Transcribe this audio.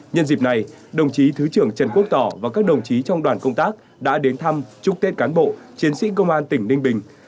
nhân dịp này đồng chí thứ trưởng trần quốc tỏ và các đồng chí trong đoàn công tác đã đến thăm chúc tết cán bộ chiến sĩ công an tỉnh ninh bình